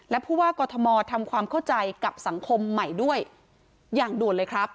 และผู้ว่ากอทมทำความเข้าใจกับสังคมใหม่ด้วยอย่างด่วนเลยครับ